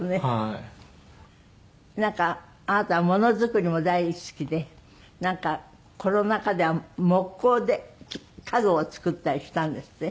なんかあなたはもの作りも大好きでなんかコロナ禍では木工で家具を作ったりしたんですって？